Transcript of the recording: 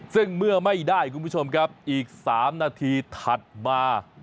ซึ่งเมื่อไม่ได้คุณผู้ชมครับอีก๓นาทีถัดมา